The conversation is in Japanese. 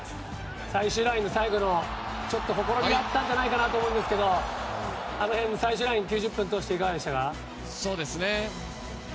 最終ラインの最後のちょっとほころびがあったんじゃないかなと思いますがあの辺、最終ライン９０分通していかがでしたか？